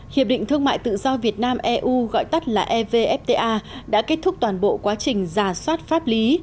hiệp định thương mại tự do việt nam eu gọi tắt là evfta đã kết thúc toàn bộ quá trình giả soát pháp lý